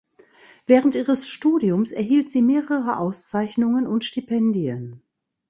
Während ihres Studiums erhielt sie mehrere Auszeichnungen und Stipendien.